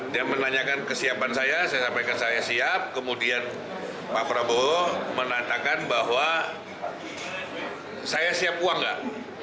dia menanyakan kesiapan saya saya sampaikan saya siap kemudian pak prabowo menandatakan bahwa saya siap uang enggak